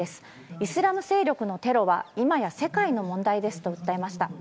イスラム勢力のテロは今や世界の問題ですと訴えました。